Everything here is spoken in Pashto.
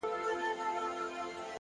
پوهه د انتخابونو دروازې زیاتوي